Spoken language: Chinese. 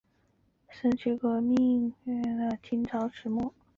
三区革命政府旧址始建于清朝末年。